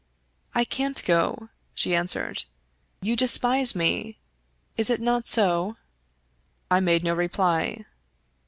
" I can't go," she answered. " You despise me — is it not so?" I made no reply.